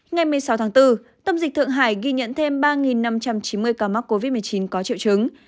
ngày một mươi sáu tháng bốn tâm dịch thượng hải ghi nhận thêm ba năm trăm chín mươi ca mắc covid một mươi chín có triệu chứng